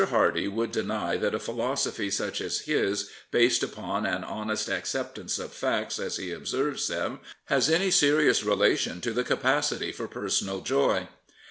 Hardy would deny that a philosophy such as his, based upon an honest acceptance of facts as he observes them, has any serious relation to the capacity for personal joy.